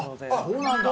そうなんだ！